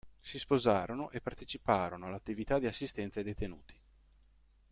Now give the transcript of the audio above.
Si sposarono e parteciparono all'attività di assistenza ai detenuti.